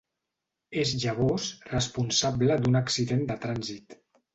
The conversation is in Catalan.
És llavors responsable d'un accident de trànsit.